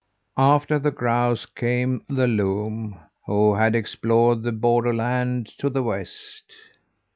"After the grouse came the loon, who had explored the borderland to the west.